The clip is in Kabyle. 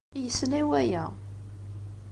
Yesla i waya.